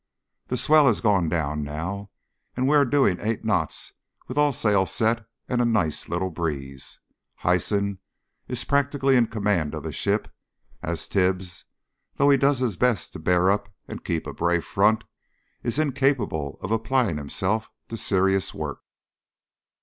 The swell has gone down now, and we are doing about eight knots with all sail set and a nice little breeze. Hyson is practically in command of the ship, as Tibbs, though he does his best to bear up and keep a brave front, is incapable of applying himself to serious work.